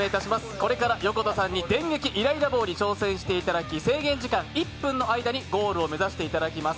これから横田さんに電撃イライラ棒に挑戦していただき制限時間１分の間にゴールを目指していただきます。